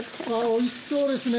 おいしそうですね。